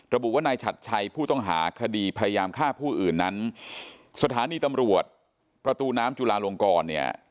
ระบุว่านายฉัดชัยผู้ต้องหาคดีพยายามฆ่าผู้อื่นนั้นสถานีตำรวจประตูน้ำจุลาลงกรเนี่ย